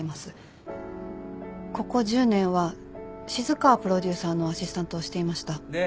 ここ１０年は静川プロデューサーのアシスタントをしていました。